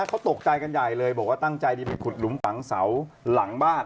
เขาตกใจกันใหญ่เลยบอกว่าตั้งใจดีไปขุดหลุมฝังเสาหลังบ้าน